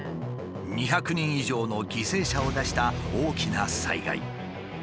２００人以上の犠牲者を出した大きな災害。